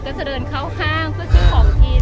ก็คือพี่ออกกำลังกายนั่นเกิด